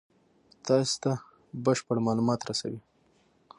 تاسې ته بشپړ مالومات رسوي.